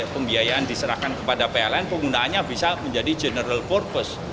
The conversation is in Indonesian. pembiayaan diserahkan kepada pln penggunaannya bisa menjadi general purpose